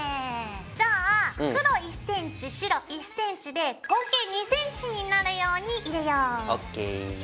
じゃあ黒１センチ白１センチで合計２センチになるように入れよう。ＯＫ。